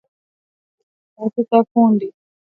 Idadi ya Wanyama wanaoambukizwa katika kundi